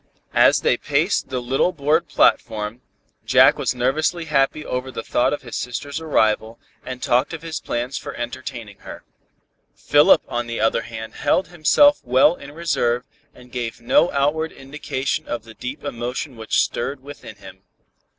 As they paced the little board platform, Jack was nervously happy over the thought of his sister's arrival, and talked of his plans for entertaining her. Philip on the other hand held himself well in reserve and gave no outward indication of the deep emotion which stirred within him.